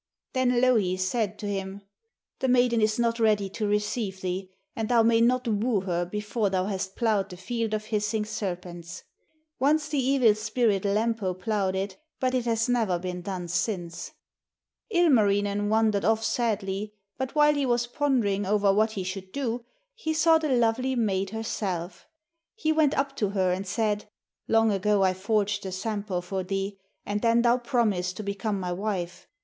Then Louhi said to him: 'The maiden is not ready to receive thee, and thou may not woo her before thou hast ploughed the field of hissing serpents. Once the evil spirit Lempo ploughed it, but it has never been done since.' Ilmarinen wandered off sadly, but while he was pondering over what he should do, he saw the lovely maid herself. He went up to her and said: 'Long ago I forged the Sampo for thee, and then thou promised to become my wife.